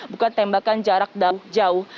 bukan tembakan jarak jauh